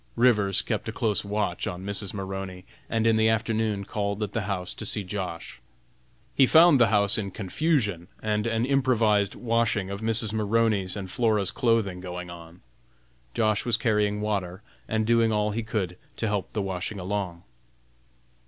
Rivers kept a close watch on Mrs. Maroney, and in the afternoon called at the house to see Josh. He found the house in confusion, and an improvised washing of Mrs. Maroney's and Flora's clothing going on. Josh. was carrying water, and doing all he could to help the washing along.